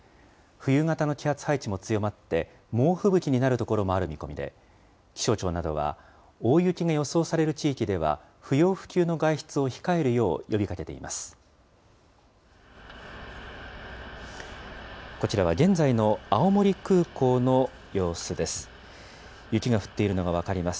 冬型の気圧配置も強まって、猛吹雪になる所もある見込みで、気象庁などは、大雪が予想される地域では不要不急の外出を控えるよう呼びかけています。